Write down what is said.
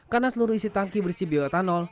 karena seluruh isi tangki bersih bioetanol